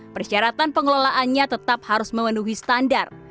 persyaratan pengelolaannya tetap harus memenuhi standar